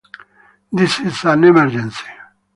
This is an emergency.